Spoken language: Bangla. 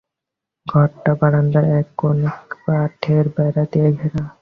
ঘরটা বারান্দার এক কোণে, কাঠের বেড়া দিয়ে ঘেরা।